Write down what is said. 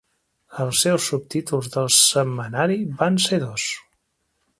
Els seus subtítols del setmanari van ser dos.